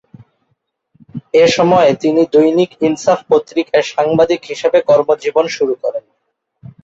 এ সময়ে তিনি 'দৈনিক ইনসাফ' পত্রিকায় সাংবাদিক হিসেবে কর্মজীবন শুরু করেন।